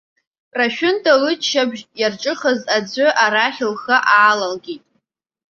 Рашәында лыччабжь иарҿыхаз аӡәы арахь лхы аалалкит.